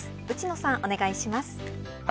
内野さんお願いします。